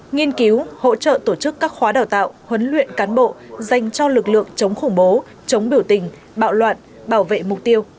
nghiên cứu hỗ trợ tổ chức các khóa đào tạo huấn luyện cán bộ dành cho lực lượng chống khủng bố chống biểu tình bạo loạn bảo vệ mục tiêu